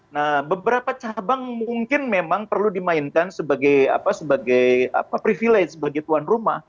nah beberapa cabang mungkin memang perlu dimainkan sebagai privilege sebagai tuan rumah